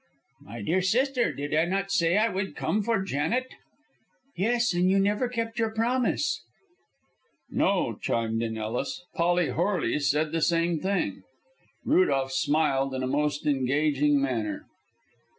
"My dear sister, did I not say I would come for Janet?" "Yes, and you never kept your promise." "No," chimed in Ellis. "Polly Horley said the same thing." Rudolph smiled in a most engaging manner.